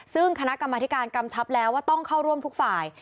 ซึ่งคณะกรรมธิการกำชับแล้วว่าต้องเข้าร่วมทุกฝ่าย